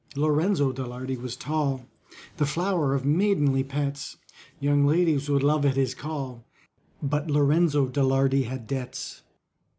LORENZO DE LARDY was tall, The flower of maidenly pets, Young ladies would love at his call, But LORENZO DE LARDY had debts.